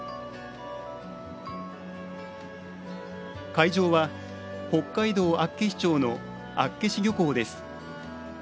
会場は北海道厚岸町の厚岸漁港です。